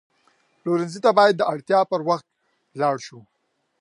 پلورنځي ته باید د اړتیا پر وخت لاړ شو.